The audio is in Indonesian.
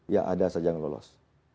ya ada saja yang lolos